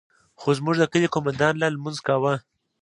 خو زموږ د کلي قومندان لا لمونځ کاوه.